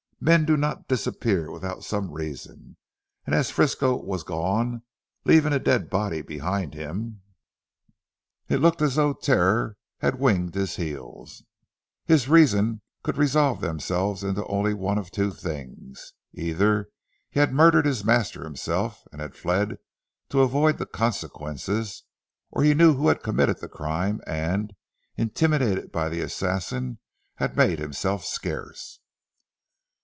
Men do not disappear without some reason; and as Frisco was gone, leaving a dead body behind him, it looked as though terror had winged his heels. His reasons could resolve themselves into only one of two things. Either he had murdered his master himself, and had fled to avoid the consequences, or he knew who had committed the crime and, intimidated by the assassin, had made himself scarce.